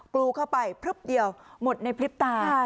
ปลูกเข้าไปเพิ่มเดียวหมดในคลิปต่าง